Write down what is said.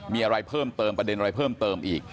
มีอะไรเพิ่มเติมประเด็นอะไรเพิ่มเติมอีก